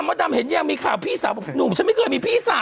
มดำเห็นนี่ยังมีข่าวพี่สาวหนุ่มฉันไม่เกิดมีพี่สาว